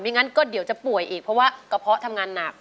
งั้นก็เดี๋ยวจะป่วยอีกเพราะว่ากระเพาะทำงานหนัก